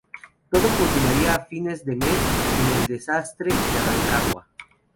Todo culminaría a fines de mes en el Desastre de Rancagua.